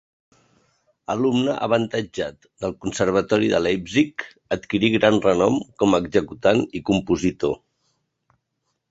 Alumne avantatjat del Conservatori de Leipzig, adquirí gran renom com a executant i compositor.